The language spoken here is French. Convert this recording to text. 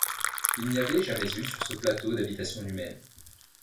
Il n’y avait jamais eu sur ce plateau d’habitation humaine.